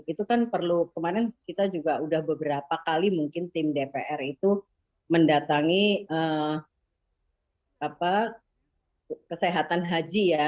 itu kan perlu kemarin kita juga sudah beberapa kali mungkin tim dpr itu mendatangi kesehatan haji ya